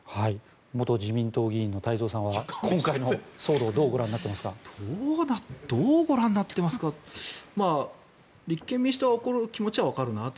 元自民党議員の太蔵さんは今回の騒動どうご覧になっていますか。どうご覧になってますかって立憲民主党が怒る気持ちはわかるなと。